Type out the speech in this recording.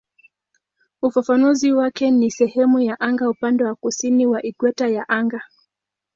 Ufafanuzi wake ni "sehemu ya anga upande wa kusini wa ikweta ya anga".